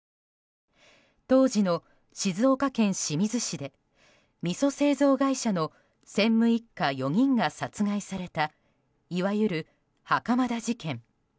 当時の静岡県清水市でみそ製造会社の専務一家４人が殺害されたいわゆる、袴田事件。